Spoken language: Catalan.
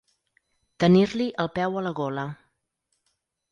Tenir-li el peu a la gola.